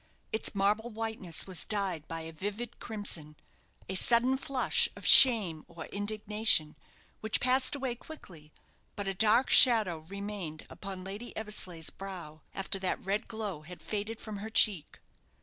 Its marble whiteness was dyed by a vivid crimson a sudden flush of shame or indignation, which passed away quickly; but a dark shadow remained upon Lady Eversleigh's brow after that red glow had faded from her cheek.